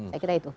saya kira itu